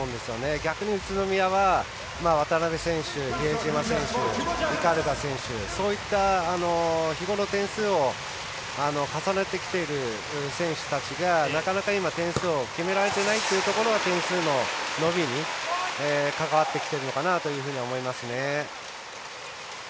逆に宇都宮は、渡邉選手比江島選手、鵤選手そういった日ごろ点数を重ねてきている選手たちがなかなか今、点を決められていないというのが点数の伸びに関わってきてるのかなというふうに思いますね。